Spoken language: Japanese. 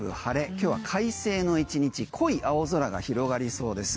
今日は快晴の１日濃い青空が広がりそうです。